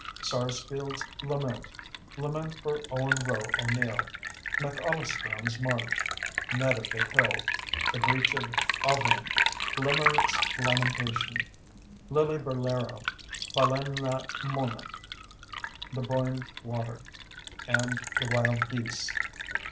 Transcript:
g._, "Sarsfield's Lament," "Lament for Owen Roe O'Neill," "MacAlistrum's March," "Ned of the Hill," "The Breach of Aughrim," "Limerick's Lamentation," "Lilliburlero," "Ballinamona," "The Boyne Water," and "The Wild Geese."